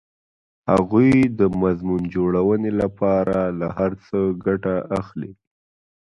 هغوی د مضمون جوړونې لپاره له هر څه ګټه اخلي